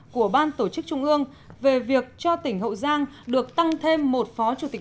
của ban tổ chức trung ương về việc cho tỉnh hậu giang được tăng thêm một phó chủ tịch